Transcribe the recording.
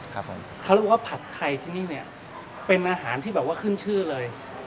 เขาเรียกว่าผัดไทยที่นี่เป็นอาหารที่ขึ้นชื่อเลย